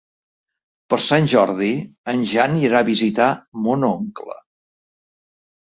Per Sant Jordi en Jan irà a visitar mon oncle.